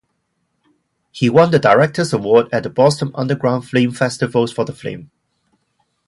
He won the Director's Award at the Boston Underground Film Festival's for the film.